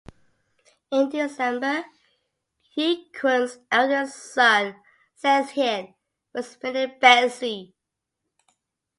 In December, Yikuang's eldest son, Zaizhen, was made a "beizi".